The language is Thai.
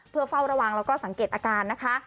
เพื่อเฝ้าระวังแล้วก็สังเกตอาการนะคะ